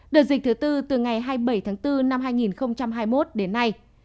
đợt dịch thứ tư từ ngày hai mươi bảy tháng bốn năm hai nghìn hai mươi một đến nay